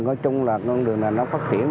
nói chung là con đường này nó phát triển